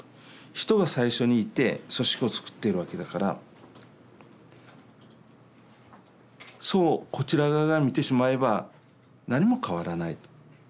人が最初にいて組織をつくっているわけだからそうこちら側が見てしまえば何も変わらない。